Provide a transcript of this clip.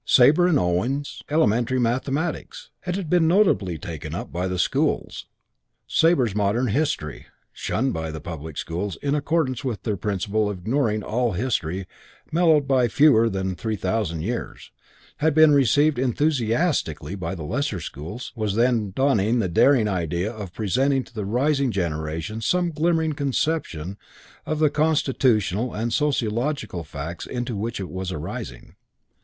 "Sabre and Owen's Elementary Mathematics" had been notably taken up by the schools. "Sabre's Modern History", shunned by the public schools in accordance with their principle of ignoring all history mellowed by fewer than three thousand years, had been received enthusiastically by the lesser schools wherein was then dawning the daring idea of presenting to the rising generation some glimmering conception of the constitutional and sociological facts into which it was arising.